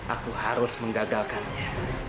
aku harus menggagalkannya